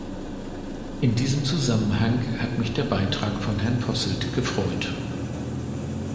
In diesem Zusammenhang hat mich der Beitrag von Herrn Posselt gefreut.